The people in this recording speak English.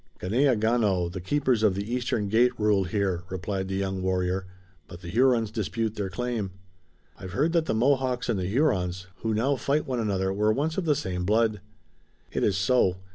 "Ganeagaono, the Keepers of the Eastern Gate, rule here," replied the young warrior, "but the Hurons dispute their claim." "I've heard that the Mohawks and the Hurons, who now fight one another, were once of the same blood." "It is so.